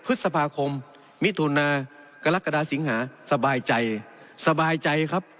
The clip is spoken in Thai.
พฤษภาคมมิถุนากรกฎาสิงหาสบายใจสบายใจครับ